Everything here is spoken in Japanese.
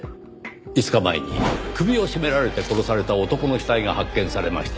５日前に首を絞められて殺された男の死体が発見されました。